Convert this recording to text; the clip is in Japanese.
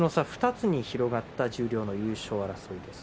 ２つに広がった十両の優勝争いです。